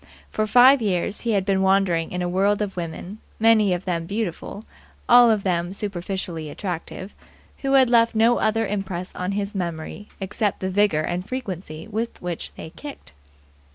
For five years he had been wandering in a world of women, many of them beautiful, all of them superficially attractive, who had left no other impress on his memory except the vigour and frequency with which they had kicked.